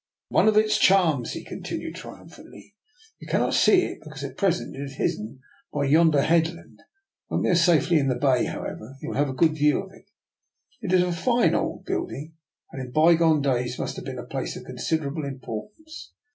;:" One of its charms," he continued tri umphantly. " You cannot see it because at present it is hidden by yonder headland. When we are safely in the bay, however, you will have a good view of it. It is a fine old building, and in bygone days must have been a place of considerable importance.